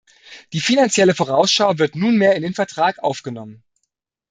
Die Finanzielle Vorausschau wird nunmehr in den Vertrag aufgenommen.